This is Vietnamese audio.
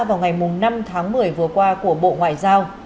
vào ngày năm tháng một mươi vừa qua của bộ ngoại giao